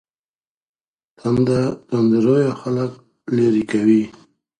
تنده رویه خلګ لیرې کوي.